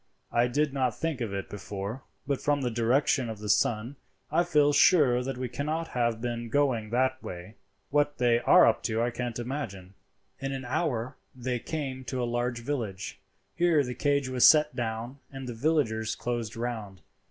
I did not think of it before, but from the direction of the sun I feel sure that we cannot have been going that way. What they are up to I can't imagine." In an hour they came to a large village. Here the cage was set down and the villagers closed round.